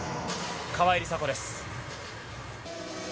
川井梨紗子です。